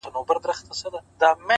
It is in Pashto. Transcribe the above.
ستا مين درياب سره ياري کوي-